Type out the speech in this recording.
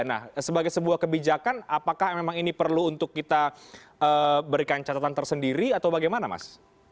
nah sebagai sebuah kebijakan apakah memang ini perlu untuk kita berikan catatan tersendiri atau bagaimana mas